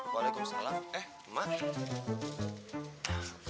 waalaikumsalam eh mak